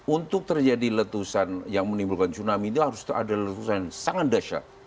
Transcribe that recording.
untuk terjadi letusan yang menimbulkan tsunami itu harus ada letusan yang sangat dahsyat